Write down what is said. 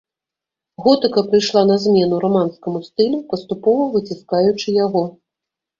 Готыка прыйшла на змену раманскаму стылю, паступова выціскаючы яго.